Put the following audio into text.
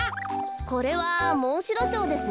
これはモンシロチョウですね。